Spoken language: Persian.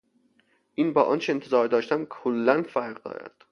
این با آنچه انتظار داشتم کلا فرق دارد.